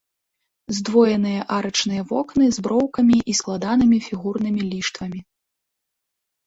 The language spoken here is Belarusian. Здвоеныя арачныя вокны з броўкамі і складанымі фігурнымі ліштвамі.